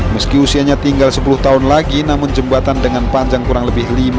meski usianya tinggal sepuluh tahun lagi namun jembatan dengan panjang kurang lebih